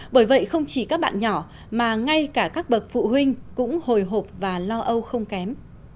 bởi vậy không chỉ các bạn nhỏ mà ngay cả các bậc phụ huynh cũng hồi hộp và lo âu không kém